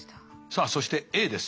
さあそしてＡです。